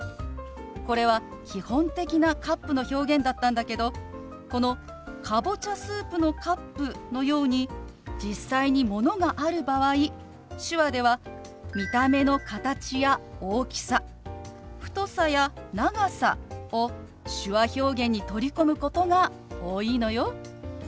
これは基本的な「カップ」の表現だったんだけどこのかぼちゃスープのカップのように実際にものがある場合手話では見た目の形や大きさ太さや長さを手話表現に取り込むことが多いのよ。